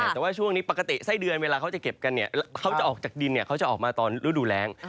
แต่ว่าช่วงนี้ปกติไส้เดือนเวลาเขาจะเก็บกันเนี่ยเขาจะออกจากดินเขาจะออกมาตอนฤดูแรง